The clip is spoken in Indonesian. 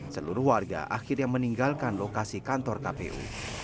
seluruh warga akhirnya meninggalkan lokasi kantor kpu